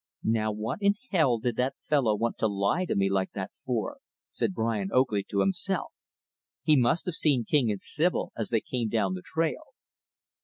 "Now what in hell did that fellow want to lie to me like that for," said Brian Oakley to himself. "He must have seen King and Sibyl as they came down the trail.